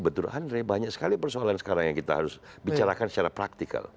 betul andre banyak sekali persoalan sekarang yang kita harus bicarakan secara praktikal